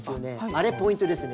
あれポイントですね。